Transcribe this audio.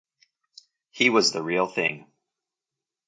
He was the real thing.